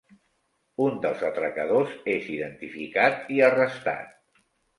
Un dels atracadors és identificat i arrestat.